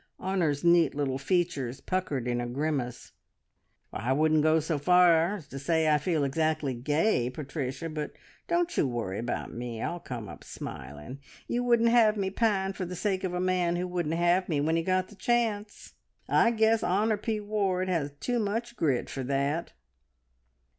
Honor's neat little features puckered in a grimace. "I wouldn't go so far as to say I feel exactly gay, Patricia, but don't you worry about me. I'll come up smiling. You wouldn't have me pine for the sake of a man who wouldn't have me when he got the chance? I guess Honor P Ward has too much grit for that!"